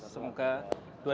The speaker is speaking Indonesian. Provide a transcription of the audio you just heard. semoga dua diri semua